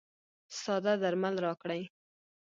ساده درمل راکړئ.